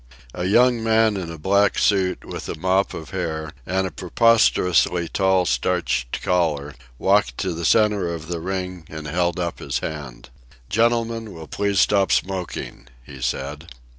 A young man, in a black suit, with a mop of hair and a preposterously tall starched collar, walked to the centre of the ring and held up his hand. "Gentlemen will please stop smoking," he said.